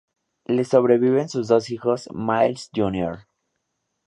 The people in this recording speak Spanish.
Le sobreviven sus dos hijos Myles, Jr.